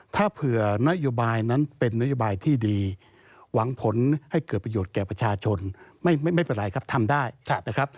ถ้าเผื่อนโยบายนั้นเป็นนโยบายที่ดีหวังผลให้เกิดประโยชน์แก่ประชาชนไม่เป็นไรครับทำได้นะครับ